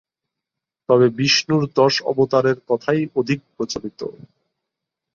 তবে বিষ্ণুর দশ অবতারের কথাই অধিক প্রচলিত।